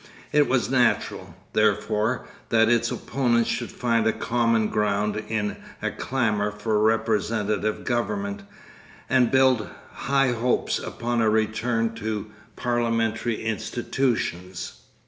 It was natural, therefore, that its opponents should find a common ground in a clamour for representative government, and build high hopes upon a return, to parliamentary institutions.